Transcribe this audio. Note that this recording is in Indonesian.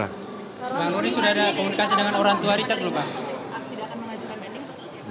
bang loni sudah ada komunikasi dengan orang tua richard lupa